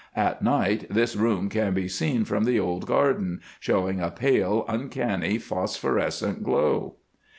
At night this room can be seen from the old garden, showing a pale, uncanny, phosphorescent glow.